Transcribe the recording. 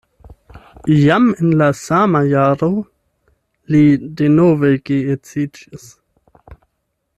Jam en la sama jaro li denove geedziĝis.